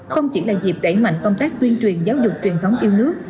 không chỉ là dịp đẩy mạnh công tác tuyên truyền giáo dục truyền thống yêu nước